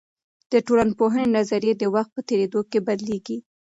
د ټولنپوهني نظريې د وخت په تیریدو کې بدلیږي.